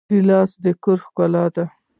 ګیلاس د کور ښکلا ده.